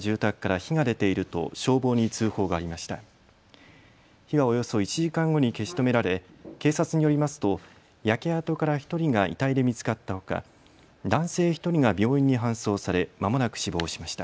火はおよそ１時間後に消し止められ警察によりますと焼け跡から１人が遺体で見つかったほか男性１人が病院に搬送されまもなく死亡しました。